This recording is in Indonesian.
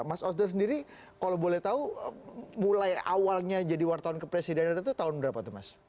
mas osder sendiri kalau boleh tahu mulai awalnya jadi wartawan kepresidenan itu tahun berapa tuh mas